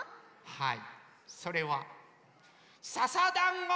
はい！